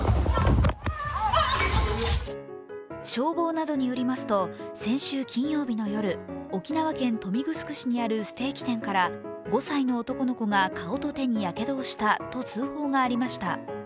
消防などによりますと先週金曜日の夜沖縄県豊見城市にあるステーキ店から５歳の男の子が顔と手にやけどをしたと通報がありました。